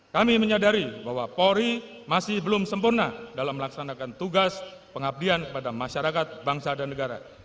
kami menyadari bahwa polri masih belum sempurna dalam melaksanakan tugas pengabdian kepada masyarakat bangsa dan negara